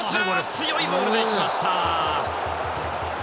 強いボールが来ました。